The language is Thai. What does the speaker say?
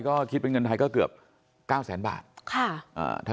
ก็คิดเป็นเงินไทยก็เกือบเก้าแสนบาท